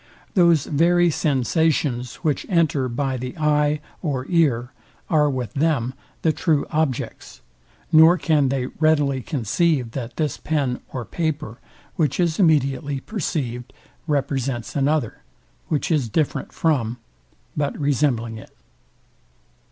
Those very sensations, which enter by the eye or ear, are with them the true objects, nor can they readily conceive that this pen or paper, which is immediately perceivd, represents another, which is different from, but resembling it.